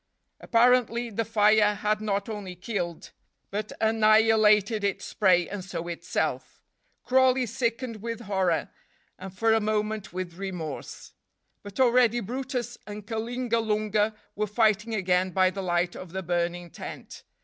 Apparently the fire had not only killed, but annihilated its prey and so itself. Crawley sickened with horror, and for a moment with remorse. But already brutus and Kalingalunga were fighting again by the light of the burning tent.